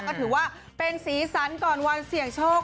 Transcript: ก็ถือว่าเป็นสีสันก่อนวันเสี่ยงโชค